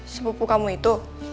sepupu kamu itu